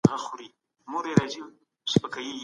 څېړونکی باید د اثر په اړه د نورو نظرونه واوري.